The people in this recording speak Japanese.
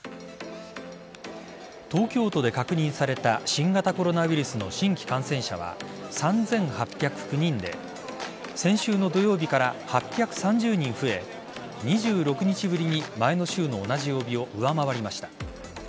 東京都で確認された新型コロナウイルスの新規感染者は３８０９人で先週の土曜日から８３０人増え２６日ぶりに前の週の同じ曜日を上回りました。